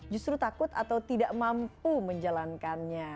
justru takut atau tidak mampu menjalankannya